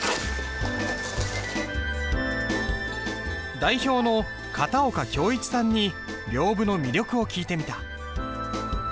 代表の片岡恭一さんに屏風の魅力を聞いてみた。